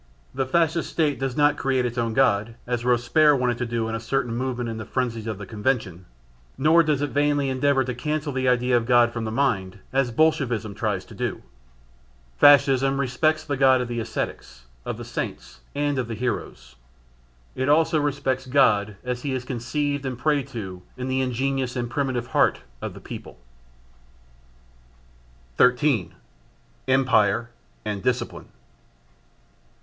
The Fascist State does not create its own "God," as Robespierre wanted to do at a certain moment in the frenzies of the Convention; nor does it vainly endeavour to cancel the idea of God from the mind as Bolschevism tries to do. Fascism respects the God of the ascetics, of the saints and of the heroes. It also respects God as he is conceived and prayed to in the ingenuous and primitive heart of the people. 13. Empire and Discipline.